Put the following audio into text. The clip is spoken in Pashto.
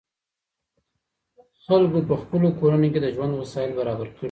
خلګو په خپلو کورونو کي د ژوند وسايل برابر کړي دي.